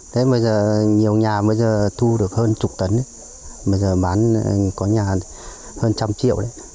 thế bây giờ nhiều nhà bây giờ thu được hơn chục tấn bây giờ bán có nhà hơn trăm triệu đấy